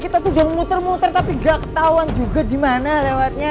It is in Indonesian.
kita tuh jalan muter muter tapi gak ketahuan juga di mana lewatnya